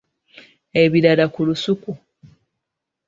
Ebirala ku lusuku.